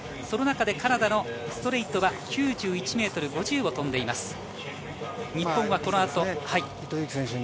その中でカナダのストレイトは９１ｍ５０を飛んでいます。